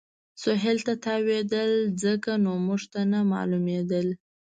سهېل ته تاوېدل، ځکه نو موږ ته نه معلومېدل.